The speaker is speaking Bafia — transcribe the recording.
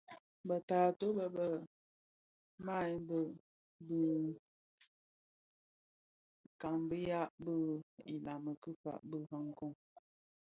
Be taatôh be be mahebe bë ka kabiya bi ilami ki birakoň.